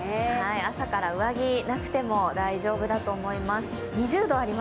朝から上着なくても大丈夫だと思います。